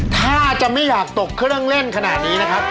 ถ้าจะไม่อยากตกเครื่องเล่นขนาดนี้นะครับ